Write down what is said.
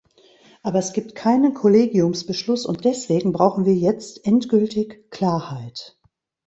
Aber es gibt keinen Kollegiumsbeschluss, und deswegen brauchen wir jetzt endgültig Klarheit.